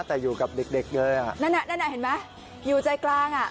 แต่อยู่กับเด็กเด็กเลยอ่ะนั่นอ่ะนั่นอ่ะเห็นไหมอยู่ใจกลางอ่ะ